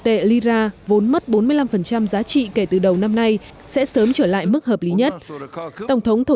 tệ lira vốn mất bốn mươi năm giá trị kể từ đầu năm nay sẽ sớm trở lại mức hợp lý nhất tổng thống thổ